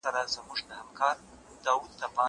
هغه وویل چې اوبه مهمي دي؟!